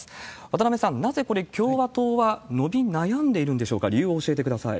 渡辺さん、なぜこれ、共和党は伸び悩んでいるんでしょうか？